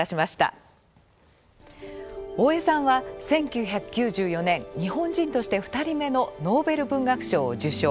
大江さんは１９９４年日本人として２人目のノーベル文学賞を受賞。